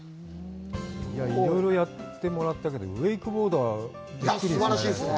いろいろやってもらったけど、ウェイクボードはびっくりですね。